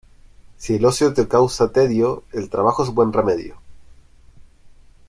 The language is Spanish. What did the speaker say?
Si el ocio te causa tedio, el trabajo es buen remedio.